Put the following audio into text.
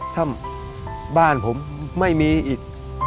ถ้าบ้านผมไม่มีอีก